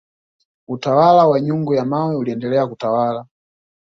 utawala wa nyungu ya mawe uliendelea kutawala